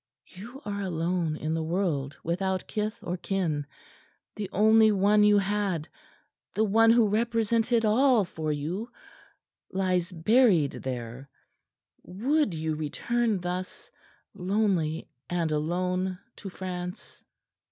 You are alone in the world, without kith or kin. The only one you had the one who represented all for you lies buried there. Would you return thus, lonely and alone, to France?"